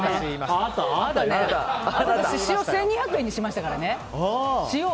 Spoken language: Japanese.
塩を１２００円にしましたからね。